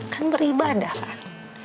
kan beribadah kan